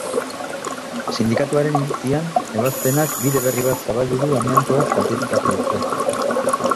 Sindikatuaren iritzian, ebazpenak bide berri bat zabaldu du, amiantoak kaltetutakoentzat.